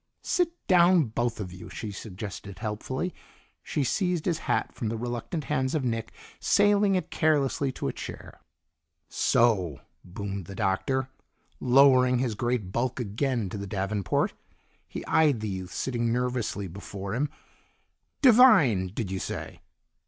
"Sit down, both of you," she suggested helpfully. She seized his hat from the reluctant hands of Nick, sailing it carelessly to a chair. "So!" boomed the Doctor, lowering his great bulk again to the davenport. He eyed the youth sitting nervously before him. "Devine, did you say?"